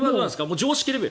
常識レベル？